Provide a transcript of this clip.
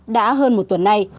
đã hơn một tuần nay